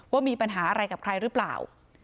ว่ามีปัญหาอะไรกับใครหรือเปล่า